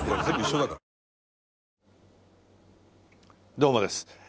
どうもです。